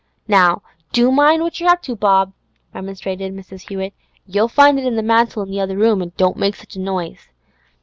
'Now, do mind what you're up to, Bob!' remonstrated Mrs. Hewett. 'You'll find it on the mantel in the other room. Don't make such a noise.